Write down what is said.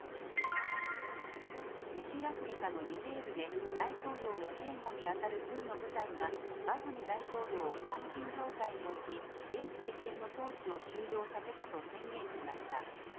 西アフリカのニジェールで大統領の警護にあたる軍の部隊がバズム大統領を監禁状態に置き現政権の統治を終了させたと宣言しました。